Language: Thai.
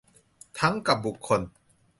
ทั้งกับบุคคล